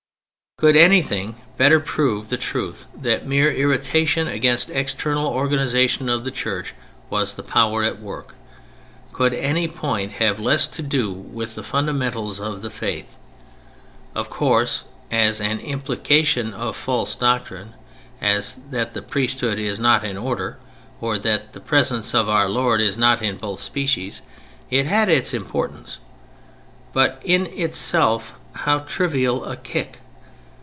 Could anything better prove the truth that mere irritation against the external organization of the Church was the power at work? Could any point have less to do with the fundamentals of the Faith? Of course, as an implication of false doctrine—as that the Priesthood is not an Order, or that the Presence of Our Lord is not in both species—it had its importance. But in itself how trivial a "kick."